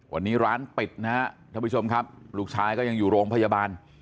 วันนี้ร้านปิดนะฮะท่านผู้ชมครับลูกชายก็ยังอยู่โรงพยาบาล